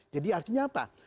jadi artinya apa